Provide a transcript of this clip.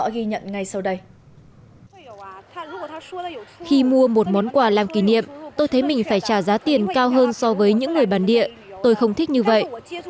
khi mua một món quà làm kỷ niệm tôi thấy mình phải trả giá tiền cao hơn so với những người bản địa tôi không thích như vậy